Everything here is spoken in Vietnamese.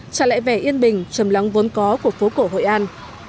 trả lại vẻ yên bình trầm lắng vốn có của phố cổ hội an